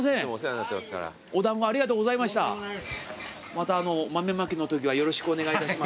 また豆まきのときはよろしくお願いいたします。